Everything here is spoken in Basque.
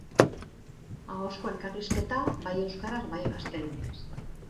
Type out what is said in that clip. Ahozko elkarrizketa, bai euskaraz, bai gaztelaniaz.